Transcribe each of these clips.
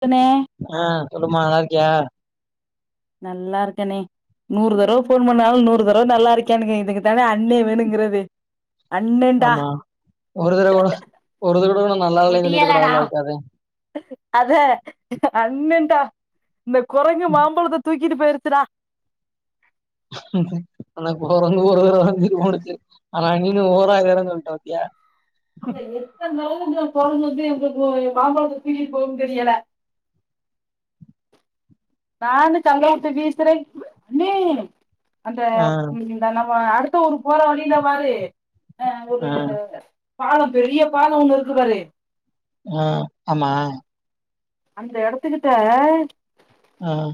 துன்னே ஆ சொல்லுமா நல்லாருக்கியா நல்லார்க்கனே நூறு தடவ ஃபோன் பண்ணாலு நூறு தடவ நல்லாருக்கியானு கேக்கர்துக்கு தானே அண்ணே வேணுங்குறது ஆமா ஒருதடவ கூட ஒரு தடவ கூட நா நல்லால செல்லிட கூடாதுல்ல அதுக்கா தா அதா அண்ணன்டா இந்த கொரங்கு மாம்பழத்த தூக்கிட்டு போய்ருச்சிடா ஆனா கொரங்கு ஒரு தரோ தா தூய்ட்டு போனுச்சி ஆனா நீனு ஓராயிரோ தரோ சொல்ட்ட பாத்யா அங்க எத்தன தடவ இந்த கொரங்கு வந்து எங்ளுக்கு ஏ மாம்பழத்த தூக்கிட் போவுன் தெரியல நானு கல்லெல்லா தூக்கி வீசுறே அண்ணே அந்த ஆ ம் நா நம்ம அடுத்த ஊரு போற வழிலபாரு ஆ ஒரு பாலோ பெரிய பாலோ ஒண்ணுருக்கு பாரு ஆ ஆமா அந்த எடத்துக்கிட்ட ம்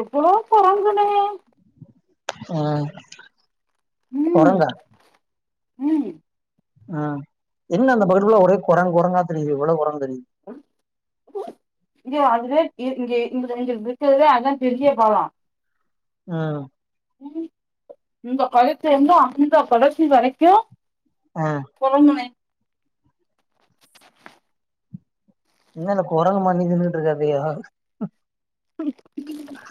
எவ்வளோ கொரங்குனே ஆ ம் கொரங்கா ம் ஆ என்ன அந்த பக்கத்தூர்ல ஒரே கொரங் கொரங்கா தெரியுது இவ்ளோ கொரங்கு தெரித் [inaudible] இதே அதுவே இ இங்கே இங்க எங்களுக்கு இர்கர்த்லே அதுதா பெரிய பாலோ ம் ம் இந்த கடைசிலந்து அந்த கடைசி வரைக்கு ஆ போவுன்னே என்னல கொரங்கு மாரி நி நின்னுட்ருக்க அதயா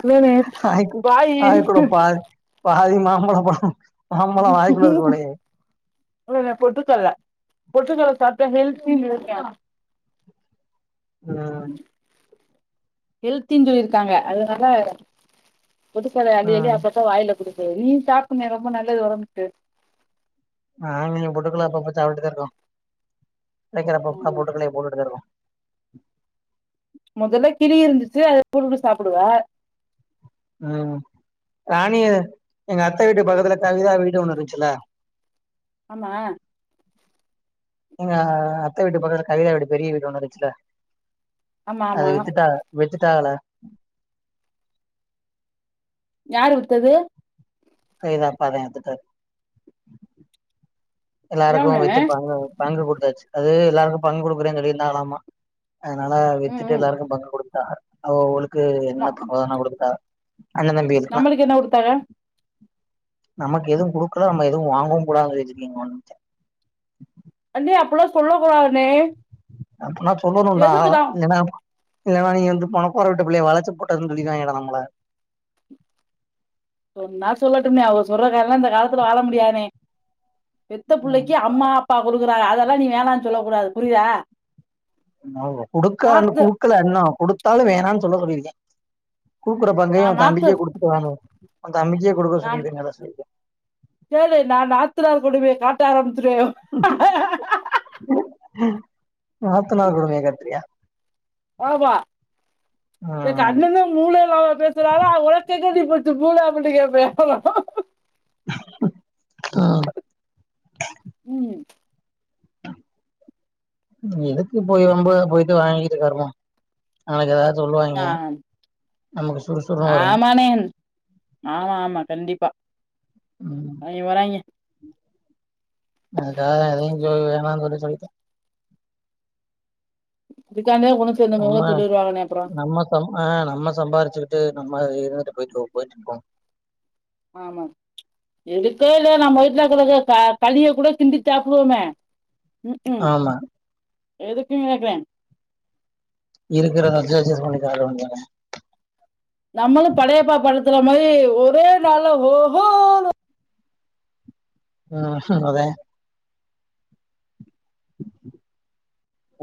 இல்லனே ஆய்க்கு வாயி ஆயக்குட பாத் பாதி மாம்பழோ ப [unintelligible] ஏ நா பொட்டுக்கல்ல பொட்டுக்கல்ல சாப்ட்டா ஹெல்த்தினு இருக்கே ம் ஹெல்த்தின் சொல்லிருக்காங்க அது நல்லா ஆயிரு பொட்டுக்கல்ல அல்லி அல்லி ம் அப்பப்ப வாயில கொடுக்கற நீ சாப்டனே ரொம்ப நல்லது ஒடம்புக்கு நாங்களு பொட்டுக்கல்ல அப்பப்ப சாப்ட்டு தா இருக்கோ கெடக்கிறப்பப்ப பொட்டுக்கல்லைய போட்டுட்டுதா இருக்கோ முதல்ல கிளி இருந்துச்சு அத குருஞ் சாப்புடுவ ம் ராணி எங்க அத்த வீட்டு பக்கத்துல கவிதா வீடு ஒண்ணு இருந்துச்சுல ஆமா எங்க அத்த வீட்டு பக்க கவிதா வீடு பெரிய வீடு ஒண்ணு இருன்ச்சுல ஆமா அத ஆமா வித்துட்டாங்க வித்துட்டாங்களா யாரு விற்த்தது எங்க அப்பாதா எத்துட்டார் எல்லாருக்கு ஏன்னு வித்து பங்கு பங்கு கொடுத்தாச்சு அது எல்லாருக்கு பங்கு கொடுக்குறேன்னு சொல்லியிருந்தாங்கலாமா அதனால ம் வித்துட்டு ம் எல்லாருக்கு பங்கு கொடுக் ப அவ அவளுக்கு என்னன்ன பண்ணண குடுத்துட்டா அண்ண தம்பி இருக்கலா நம்மளுக்கு என்ன குடுத்தாங்க நமக்கு எதுவு குடுக்கல நம்ம எதுவு வாங்கவு கூடாது நெனச்சு இருக்கீங்க [unintelligible] தம்பி அப்பல்லா சொல்ல கூடாதுனே அப்பனா சொல்லணுடா எனா இல்லன்னா நீ வந்து பண போற வீட்டு புள்ளைய வளச்சு போட்டுதனு சொல்லிருவங்கடா நம்மள சொன்னா சொல்லட்டுமே அவ சொல்ற காரலா இந்த காலத்துல வாழ முடியானே பெத்த ம் புள்ளைக்கு அம்மா அப்பா கொடுக்குறாரு அதெல்லா நீ வேணானு சொல்ல கூடாது புரியுதா மாவ் கொடுக்க இன் நாத்து கொடுக்கல இன்னு கொடுத்தாலு வேணான் சொல்ல சொல்லிருக்கே குக்குற நா பங்கையு நாத்து தம்பிக்கே குடுத்துட்டு நாணு அ தம்பிக்கே கொடுக்க நான் சொல்லிடே நல்ல சொல்லிருக்கே கேளு நா நாத்தநார் கொடுமைய காட்ட ஆரம்பிச்சுடுவே நாத்தனா கொடுமைய காட்றியா ஆ ம் நேத்து அண்ணணே மூளை இல்லாம பேசறாங்க உனக்கெங்கடி போச்சு மூள அப்டி கேப்பே ஆ ம் எதுக்கு போய் ரொம்ப போயிட்டு வாங்கிட்டு கருமோ அவங்க ஏதா சொல்லுவாங்க நமக்கு சுடு சொ ஆமானே ஆமா ஆமா கண்டிப்பா ம் அவைங்க வறாங்கே எனக்கா எதுக்கு வேணா சொல்லி சொல்லிட்ட இதுக்காண்டே ஒன்னு நம்ம சேர்ந்திங்கனே சொல்லிருவாங்கன்னே அப்புறோ நம்ம ஆ நம்ம சம்பாதிச்சுக்குட்டு நம்ம இருந்துட்டு போயிட்டு போயிட்டுருப்போ ஆமா இருக்கோ இல்லையோ நம்ம வீட்ல இருக்க க களிய கூட கிண்டி சாப்டுவோமே ம் ம் ஆமா எதுக்கு கேக்றே இருக்குறத வெச்சு அட்ஜஸ் பண்ணி சாப்ட வேண்டியதா நம்மளு படையப்பா படத்துல மாரி ஒரே நாளே ஓஹோனு ம் ஹும் அதா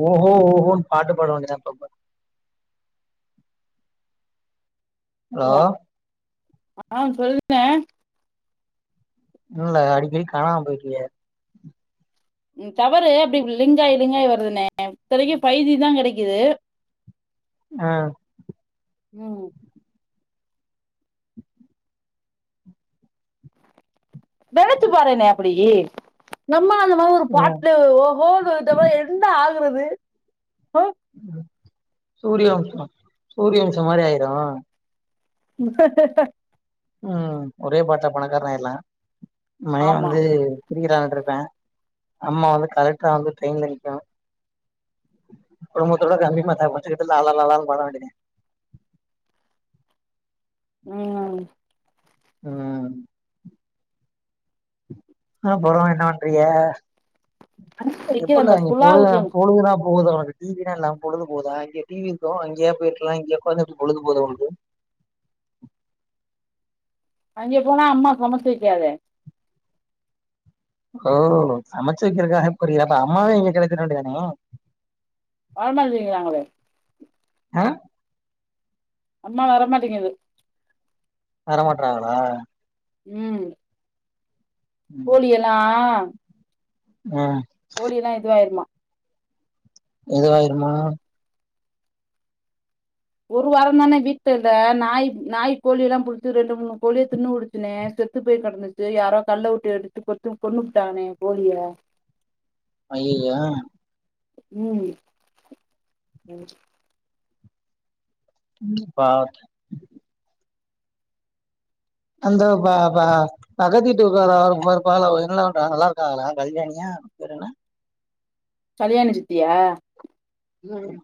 ஓஹோ ஓஹோனு பாட்டு பாட வேண்டிதா அப்பப்ப ஹலோ வா ஆ சொல்லுணே இல்ல அடிக்கடி காணா போயிறிய ம் டவரு அப்டி லிங்காயி லிங்காயி வருதுனே இத்தனைகு பைவ் ஜி தா கடைக்கிது ஆ ம் நனைச்சி பாறேன்னே அப்டி நம்ம அந்த மாரி ஒரு ஆ பாட்ல ஒஹோ வந்டம்னா என்ன ஆகுறது ஒ சூரியவம்சோ சூரியவம்சம் மாரி ஆயிரு [unintelligible] ம் ஒரே பாட்டா பணக்காரனா ஆயிர்லா மய ஆமா வந்து சிரிக்கிறாகன்ருப்ப அம்மா வந்து கலெக்ரா வந்து ட்ரெயின்ல நிக்கு குடும்பத்தோட கம்பி மாத்தாப்பு வச்சிகிட்டு லாலா லாலானு பாட வேண்டியதா ம் ம் அப்புறரோ என்னா பண்றிக வைக்கிற எப்பல்ல அந்த இங்க பொழுதெலா புலாவுக்கு பொழுதெலா போகுது உனக்கு டிவிலா இல்லாம பொழுது போதா இங்க டிவி இருக்கவு அங்யே போயிருக்கலா இங்க உகாந்து எப்டி பொழுது போது உனக்கு அங்கே போனா அம்மா சமச்சி வக்காதே ஓ சமச்சுவக்கிறக்காக போரியா அப்ப அம்மாவையே இங்க கடத்திட வேண்டிதானே வரமாட்டிங்றாகளே ஹ அம்மா வரமாட்டேங்கிது வரமாட்டறாங்ளா ம் கோழியெல்லா ம் கோழி எல்லா இதுவாயிருமா இதுவயிருமானா ஒரு வாரம் தான வீட்ல இல்ல நாய் நாய் கோழி எல்லா புடுச்சி ரெண்டு மூணு கோழிய தின்னு புடுச்சி சுனே செத்து போய் கடந்துச்சி யாரோ கல்ல உட்டு எடுத்து கொன்னு புட்டாங்கன்னே கோழிய அய்யய்யோ ம் ம் பாத் அந்த பா பா பக்கத்து வீட்டு [unintelligible] இருப்பாங்ல்ல அவுங்க என்ன பண்றா நல்லா இருக்காங்களா கல்யாணியா பேரு என்ன கல்யாணி சித்தியா ம்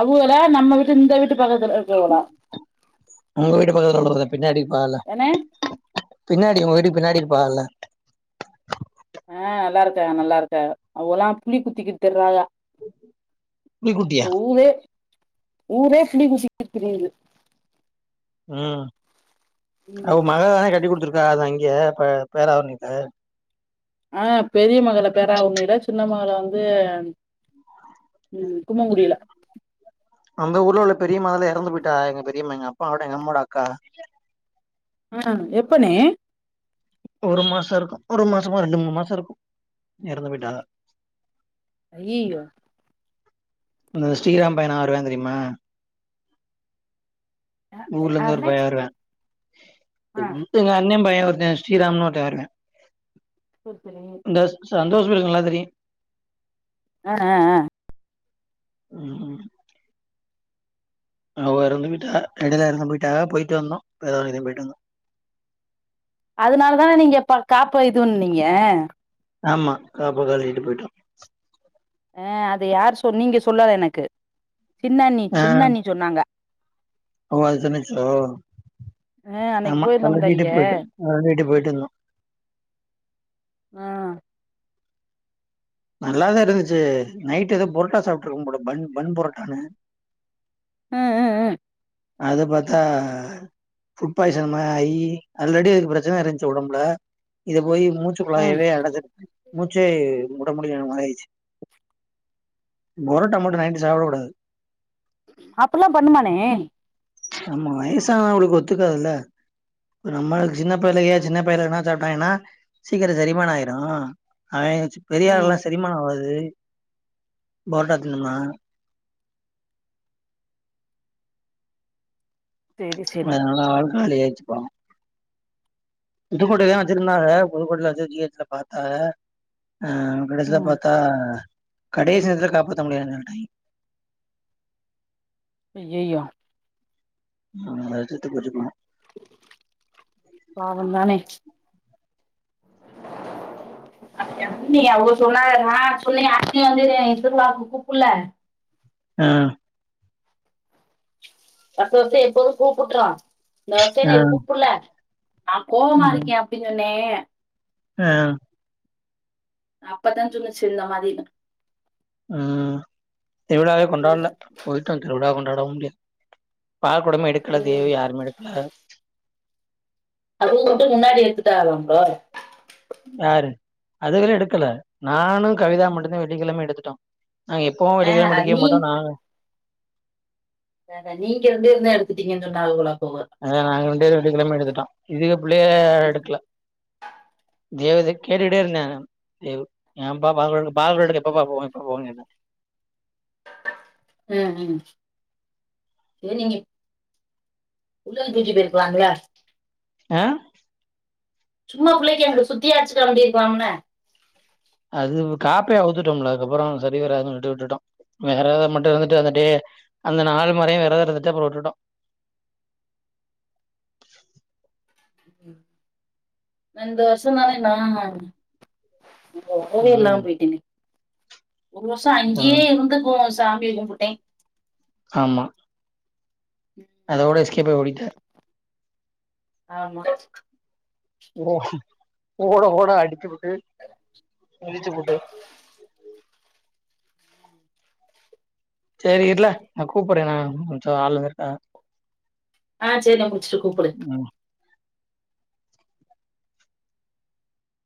அவுகளா நம்ம வீட்டு இந்த வீட்டு பக்கத்துல இருக்கவுளா உங்க வீட்டு பக்கதுல உள்ளவகதா பின்னாடி இருப்பாகல்ல ஏனே பின்னாடி உங்க வீட்டுக்கு பின்னாடி இருப்பாகல்ல ஆ நல்லாயிருகாக நல்லாயிருகாக அவுகலா புலி குத்திகிட் திர்றாயா புலிக்குட்டியா ஊரே ஊரே புலி குத்திக்கிட் திரியிது ம் அவ ம் மகதான கட்டி குடுத்துருக்கா அத அங்க பேராவுருணில ஆ பெரிய மகள பேராவுரிணில சின்ன மகள வந்து கும்மங்குடில அந்த ஊர்ல உள்ள பெரிம்மா தால எறந்து போயிட்டாக எங்க பெரியம்மா எங்க அப்பா அட எங்க அம்மாவோட அக்கா ஆ எப்பண்ணே ஒரு மாச இருக்கு ஒரு மாசமோ ரெண்டு மூணு மாச இருக்கு எறந்து போயிட்டாங்க ஐய்யியோ இந்த ஸ்ரீராம் பையனா வருவான் தெரிமா ஆ ஊர்லந்து ஒரு பைய வருவான் ஆ எங்க அண்ண பைய ஒருத்த ஸ்ரீராம்னு ஒருத்த வருவான் [unintelligible] இந்த சந்தோஷ் பையலுக்கு நல்லா தெரியு ஆ ஆ ஆ ம் அவ எறந்து பேய்ட்டா அங்கதா எறந்து பேய்ட்டா போய்ட்டு வந்தோ [unintelligible] போயட்டு வந்தோ அதனால தானே நீங்க காப்ப இதுவன்னிங்க ஆமா காப்ப காலிட்டு போயிட்டு ருக்கு ஆ அது யார் சொ நீங்க சொல்லல எனக்கு சின்னண்ணி ஆஹ் சின்னண்ணி சொன்னாங்க ஓ அது தின்னுச்சோ ஆ அன்னைக்கு ஆமா போயிருந்தோம்ல கழட்டிட்டு இங்க போயிட்டு கழட்டிட்டு போயிட்டு இருந்தோ ஆ நல்லாதா இருந்துச்சு நைட்டு எதோ பொரட்டா சாப்பிட்டுருக்குபோல கூட பன் புரோட்டான்னு அ அ அ அதபாத்தா ஃபுட் பாய்சன் மாரி ஆயி ஆல்ரெடி அதுக்கு பிரச்சன இருந்துச்சு ஒடம்புல இது போயி மூச்சு ம் குழாய்வே அடைச்சிச்சு மூச்சே உட முடியாத மாரி ஆயிடுச்சு ப்ரோட்டா மட்டு நைட் சாப்ட கூடாது அப்புல்லா பண்ணுமானே ஆம்மா வயசானாவுங்களுக்கு ஒத்துக்காதுல்ல நம்மளுக்கு சின்ன பையலுக சின்ன பையலுகலா சாப்ட்டாங்கனா சீக்கிரோ செரிமானோ ஆயிரு அவன் ம் பெரியாள்லா செரிமான ஆவாது புரோட்டா தின்னும்னா செரி செரி அதனால ஆள் காலியாயிருச்சி பா புதுக்கோட்டயில தா வெச்சிருந்தாங்க புதுக்கோட்டையில வெச்சி ஜீ ஹெச் ல பாத்தே ஆ கடைசில ம் பாத்தா கடைசி நேரத்துல காப்பாத்த முடியாதுனு சொல்லிட்டாக ஐய்யய்யோ அது செத்து போச்சிமா பாவந்தானே ண்ண அவங்க சொன்னா நான் சொன்னி அவங்க சொன்னாக அவந்துன் திருவிழாவுக்கு கூப்பல ஆஹ வருஷ வருஷம் எப்போது கூப்புட்றான் இந்த வருஷோ ஆ எனைக் கூப்புடுல நான் கோவமா இருக்கே அப்டின்னு சொன்னே ஆஹ அப்பதா சொன்னுச்சு இந்த மாரினு உம் திருவிழாவே கொண்டாடல போயிட்டோ திருவிழா கொண்டாடவு முடியாது பால்குடம் எடுக்கல ம் தீயு யாருமே எடுக்கல அப்பமுட்டு முன்னாடி எடுத்ட்டு ஆவாங்களோ யாரு அதுவே எடுக்கல நானு கவிதா மட்டும்தா வெள்ளிக்கெழம எடுத்துட்டோம் நாங்க போ ஒரு ஆ கிலோமீட்டக்கு நீ [unintelligible] நானு நீங்க இருந்து இருந்தே எத்துட்டீங்கன்னுன்னா அவலா போகவேன் அதா நாங்க ரெண்டு பேரும் வெள்ளிக்கெழமை எடுத்துட்டோம் இதுங்க பிள்ளைங்க எடுக்கல தேவ கேட்டுட்டே இருந்தே ஏ பாப்பா பால் எடுக்க எப்ப [unintelligible] ம் ம் சரி நீங்க உள்ள தூக்கி போயிருக்காங்க ஆ சும்மா பிள்ளைக்கு அங்க சுத்தி ஆச்சு காமிச்சுருக்கலாம்ல்ல அது காப்ப அவுத்துட்டோம் இல்ல அதுக்கப்புறம் சரி வராதுன்னு விட்டு விட்டுட்டோம் விரதம் மட்டும் இருந்துட்டு வந்துட்டு அந்த நாலு மொறயும் விரதம் இருந்துட்டு அப்றம் விட்டுட்டோம் சந்தோசமா தா ஓ அப்பவே எல்லாம் ம் போயிட்டீங்க ஒரு வருஷம் அங்கயே ம் இருந்துக்கும் சாமி கும்புட்டேன் ஆமா அதோட எஸ்கேப் ஆகி ஓடிட்ட ஆமா ஓ ஓட ஓட அடிச்சு விட்டு முரிச்சு போட்டு சரி இல நா கூப்பறேன் நா கொஞ்ச ஆளு இருக்காங்க அ சரி முட்ச்சுட்டு கூப்டு ம்